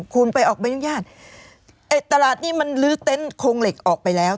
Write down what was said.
คุณไปออกใบอนุญาตไอ้ตลาดนี้มันลื้อเต็นต์โครงเหล็กออกไปแล้ว